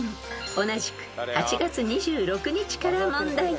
［同じく８月２６日から問題］